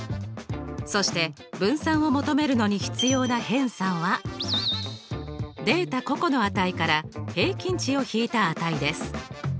そして分散を求めるのに必要な偏差はデータ個々の値から平均値を引いた値です。